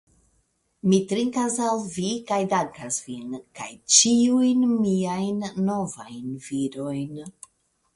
Mi trinkas al vi, kaj dankas vin kaj ĉiujn miajn novajn virojn.